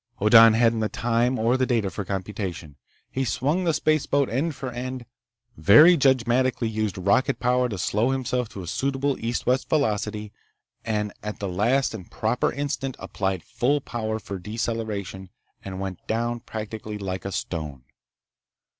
Hoddan hadn't the time or the data for computation. He swung the spaceboat end for end, very judgmatically used rocket power to slow himself to a suitable east west velocity, and at the last and proper instant applied full power for deceleration and went down practically like a stone.